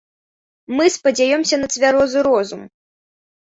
Мы спадзяёмся на цвярозы розум.